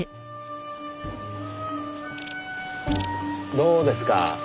どうですか？